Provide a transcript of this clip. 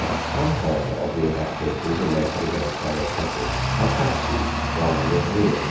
Some, however, of the inaccuracies alleged against Aristotle are fancied rather than real.